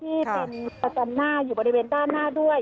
ที่เป็นประจันหน้าอยู่บริเวณด้านหน้าด้วย